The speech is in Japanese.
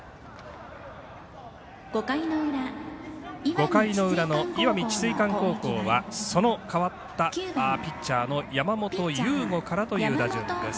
５回の裏の石見智翠館高校はその代わったピッチャーの山本由吾からという打順です。